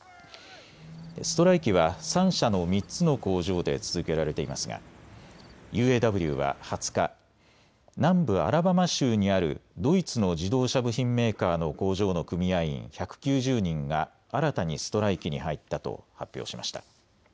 ストライキは３社の３つの工場で続けられていますがＵＡＷは２０日、南部アラバマ州にあるドイツの自動車部品メーカーの工場の組合員１９０人が新たにストライキに入ったと発表しました。